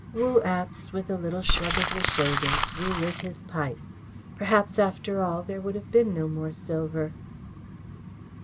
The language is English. Wu Abst, with a little shrug of the shoulders, relit his pipe. Perhaps, after all, there would have been no more silver!